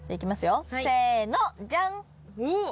よせのじゃん！